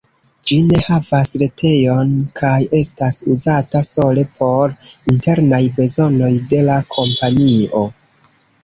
Ĝi ne havas retejon kaj estas uzata sole por internaj bezonoj de la kompanio.